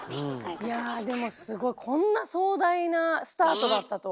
いやでもすごいこんな壮大なスタートだったとは。